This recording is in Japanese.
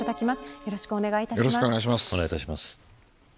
よろしくお願いします。